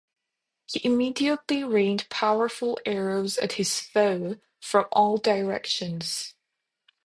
He immediately rained powerful arrows at his foe from all directions.